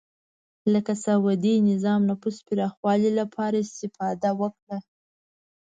لکه سعودي نظام نفوذ پراخولو لپاره استفاده وکړه